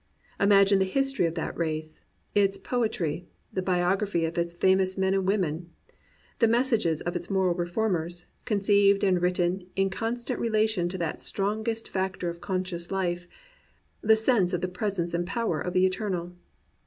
Imagine the history of that race, its po etry, the biography of its famous men and women, the messages of its moral reformers, conceived and written in constant relation to that strongest factor of conscious life, the sense of the presence and power of the Eternal.